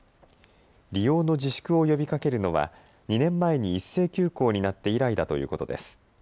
利用の自粛を呼びかけるのは２年前に一斉休校になって以来だということです。